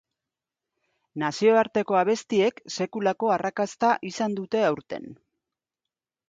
Nazioarteko abestiek sekulako arrakasta izan dute aurten.